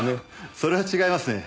それは違いますね。